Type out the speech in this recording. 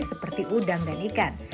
seperti udang dan ikan